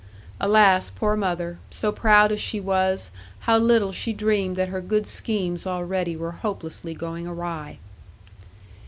Alas, poor mother, so proud as she was, how little she dreamed that her good schemes already were hopelessly going awry!